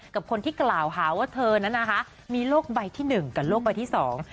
กับคนที่กล่าวหาว่าเธอนั้นนะคะมีโรคใบที่หนึ่งกับโรคใบที่สอง